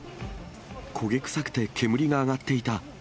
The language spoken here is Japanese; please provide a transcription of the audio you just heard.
焦げ臭くて煙が上がっていた。